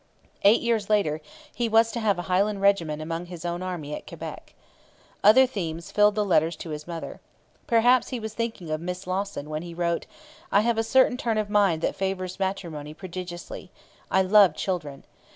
Eight years later he was to have a Highland regiment among his own army at Quebec. Other themes filled the letters to his mother. Perhaps he was thinking of Miss Lawson when he wrote: 'I have a certain turn of mind that favours matrimony prodigiously. I love children.